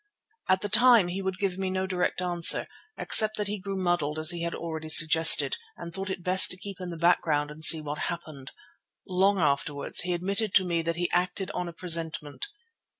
At the time he would give me no direct answer, except that he grew muddled as he had already suggested, and thought it best to keep in the background and see what happened. Long afterwards, however, he admitted to me that he acted on a presentiment.